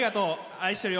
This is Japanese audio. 愛してるよ。